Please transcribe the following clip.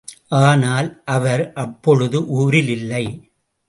ஆனால், அவர் அப்பொழுது ஊரில் இல்லை.